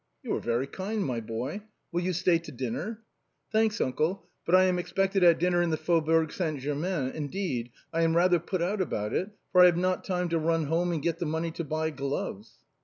" You are very kind, my boy. Will you stay to dinner ?"" Thanks, uncle, but I am expected at dinner in the Faubourg Saint Germain, indeed, I am rather put out about it for I have not time to run home and get the money to buy gloves."